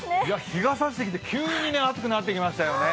日が差してきて、急に暑くなってきましたよね。